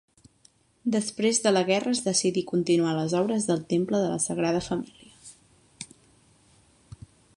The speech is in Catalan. Després de la guerra es decidí continuar les obres del temple de la Sagrada Família.